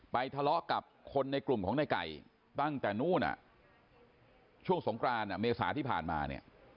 ทะเลาะกับคนในกลุ่มของในไก่ตั้งแต่นู้นช่วงสงกรานเมษาที่ผ่านมาเนี่ย